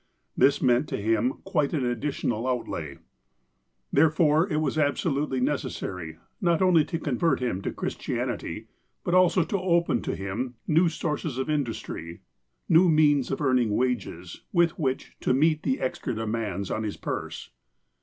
This meant to him quite an additional outlay. Therefore, it was absolutely necessary, not only to con vert him to Christianity, but also to open to him new sources of industry, new means of earning wages, with which to meet the extra demands on his purse.